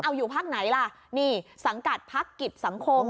เอาอยู่พักไหนล่ะนี่สังกัดพักกิจสังคม